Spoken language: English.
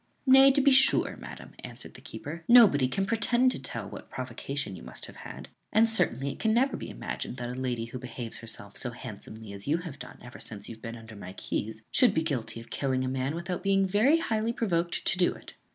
"Nay, to be sure, madam," answered the keeper, "nobody can pretend to tell what provocation you must have had; and certainly it can never be imagined that a lady who behaves herself so handsomely as you have done ever since you have been under my keys should be guilty of killing a man without being very highly provoked to do it."